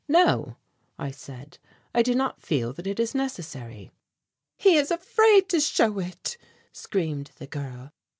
"No," I said, "I do not feel that it is necessary." "He is afraid to show it," screamed the girl.